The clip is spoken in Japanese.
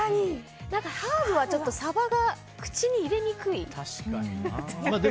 ハーブはサバが口に入れにくいかなって。